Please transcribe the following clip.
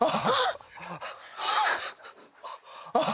あっ。